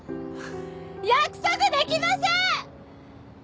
約束できません！